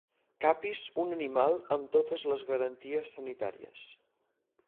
Capis un animal amb totes les garanties sanitàries.